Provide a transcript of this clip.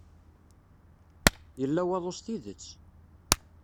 Yella waḍu s tidet.